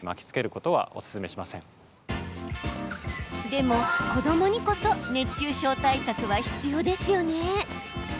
でも、子どもにこそ熱中症対策は必要ですよね？